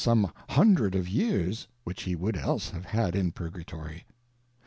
83 some hundred of years, whLch he would else have had in Purgatory.